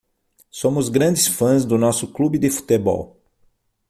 Somos grandes fãs do nosso clube de futebol.